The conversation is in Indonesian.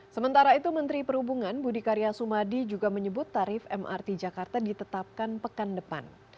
sementara itu menteri perhubungan budi karya sumadi juga menyebut tarif mrt jakarta ditetapkan pekan depan